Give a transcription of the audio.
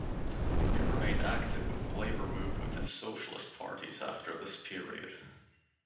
He remained active with the labour movement and socialist parties after this period.